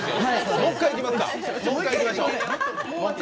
もう１回いきましょう。